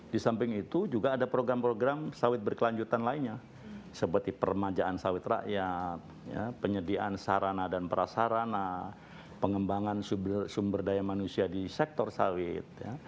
di samping itu juga ada program program sawit berkelanjutan lainnya seperti permajaan sawit rakyat penyediaan sarana dan prasarana pengembangan sumber daya manusia di sektor sawit